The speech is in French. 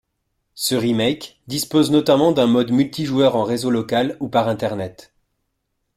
Ce remake dispose notamment d'un mode multijoueur en réseau local ou par internet.